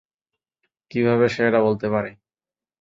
কিভাবে সে এটা বলতে পারে?